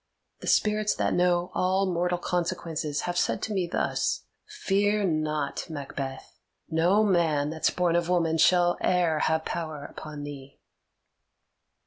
The spirits that know all mortal consequences have said to me thus: 'Fear not, Macbeth; no man that's born of woman shall e'er have power upon thee.